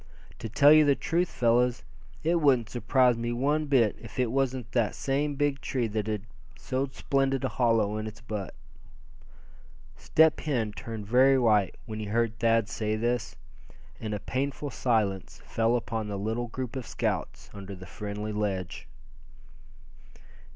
To tell you the truth, fellows, it wouldn't surprise me one bit if it was that same big tree that had so splendid a hollow in its butt." Step Hen turned very white when he heard Thad say this, and a painful silence fell upon the little group of scouts under the friendly ledge.